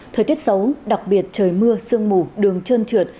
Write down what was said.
thời tiết xấu đặc biệt trời mưa sương mù đường trơn trượt